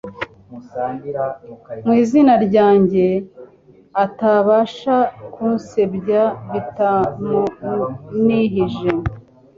mu izina ryanjye, atabasha kunsebya bitamunihije. »